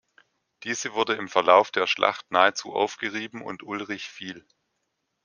Diese wurde im Verlauf der Schlacht nahezu aufgerieben und Ulrich fiel.